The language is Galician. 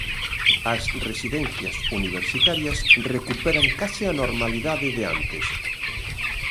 As residencias universitarias recuperan case a normalidade de antes.